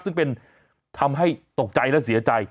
ซึ่งเป็นทำให้ตกใจและเสียใจ